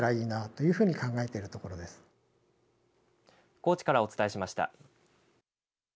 高知からお伝えしました。